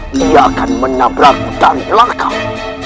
dia akan menabrakmu dari belakang